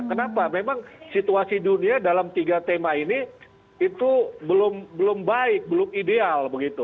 kenapa memang situasi dunia dalam tiga tema ini itu belum baik belum ideal begitu